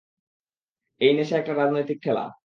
এই নেশা একটা রাজনৈতিক খেলা।